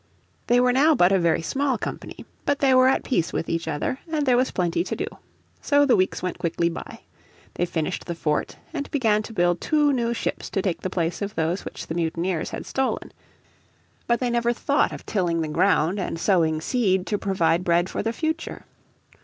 They were now but a very small company, but they were at peace with each other, and there was plenty to do. So the weeks went quickly by. They finished the fort, and began to build two new ships to take the place of those which the mutineers had stolen. But they never thought of tilling the ground and sowing seed to provide bread for the future.